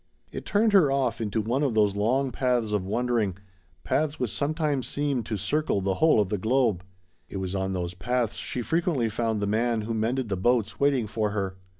It turned her off into one of those long paths of wondering, paths which sometimes seemed to circle the whole of the globe. It was on those paths she frequently found the man who mended the boats waiting for her.